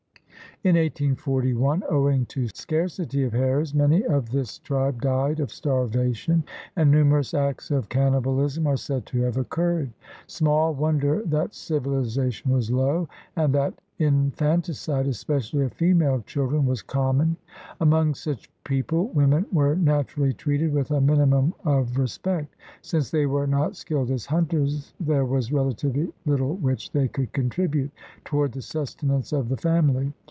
In 1841 owing to scarcity of hares many of this tribe died of starvation, and numerous acts of cannibahsm are said to have occurred. Small wonder that civilization was low and that infanti cide, especially of female children, was common. Among such people women were naturally treated with a minimum of respect. Since they were not skilled as hunters, there was relatively little which they could contribute toward the sustenance of the family.